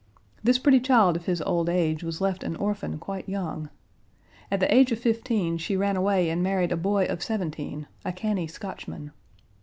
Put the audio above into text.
This pretty child of his old age was left an orphan quite young. At the age of fifteen, she ran away and married a boy of seventeen, a canny Scotchman.